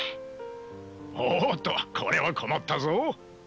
おっとこれは困ったぞ。